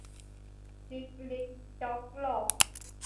จิกลิกจอกหลอก